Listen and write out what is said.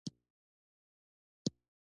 هرات د افغانستان د کلتوري میراث برخه ده.